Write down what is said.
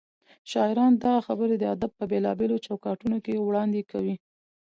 شاعران دغه خبرې د ادب په بېلابېلو چوکاټونو کې وړاندې کوي.